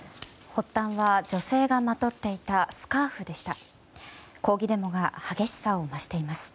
発端は女性がまとっていたスカーフでした。